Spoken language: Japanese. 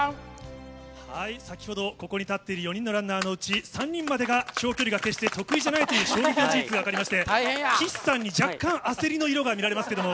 先ほど、ここに立っている４人のランナーのうち３人までが長距離が決して得意じゃないという、衝撃の事実が分かりまして、岸さんに若干焦りの色が見られますけども。